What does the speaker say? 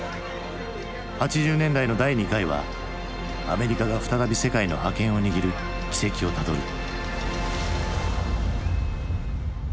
８０年代の第２回はアメリカが再び世界の覇権を握る軌跡をたどる。